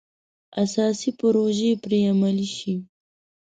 اساسي پروژې پرې عملي شي.